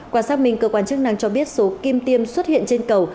quản sát mình cơ quan chức năng cho biết số kim tiêm xuất hiện trên cầu